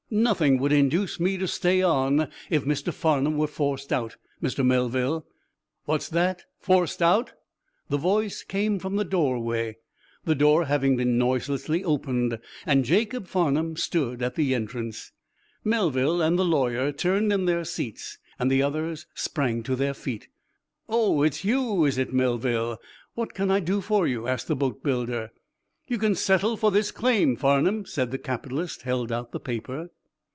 "Nothing would induce me to stay on if Mr. Farnum were forced out, Mr. Melville." "What's that? Forced out?" The voice came from the doorway, the door having been noiselessly opened, and Jacob Farnum stood at the entrance. Melville and the lawyer turned in their seats and the others sprang to their feet. "Oh, it's you, is it, Melville? What can I do for you?" asked the boatbuilder. "You can settle for this claim, Farnum," and the capitalist held out the paper.